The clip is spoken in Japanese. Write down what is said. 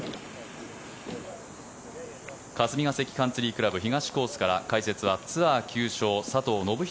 霞ヶ関カンツリー倶楽部東コースから解説はツアー９勝佐藤信人